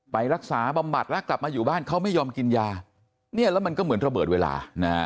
ไปรักษาบำบัดแล้วกลับมาอยู่บ้านเขาไม่ยอมกินยา